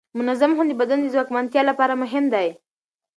منظم خوب د بدن د بیا ځواکمنتیا لپاره مهم دی.